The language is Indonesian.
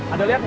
ada liat gak